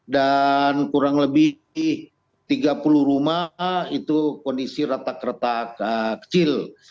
dan kurang lebih tiga puluh rumah itu kondisi retak retak kecil